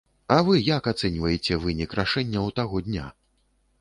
А вы як ацэньваеце вынік рашэнняў таго дня?